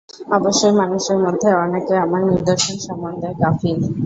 অবশ্যই মানুষের মধ্যে অনেকে আমার নিদর্শন সম্বন্ধে গাফিল।